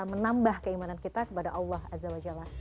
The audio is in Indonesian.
menambah keimanan kita kepada allah azza wa jalla